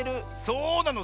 そうなの。